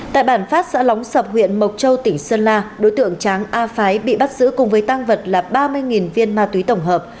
tại bản phát xã lóng sập huyện mộc châu tỉnh sơn la đối tượng tráng a phái bị bắt giữ cùng với tang vật là ba mươi viên ma túy tổng hợp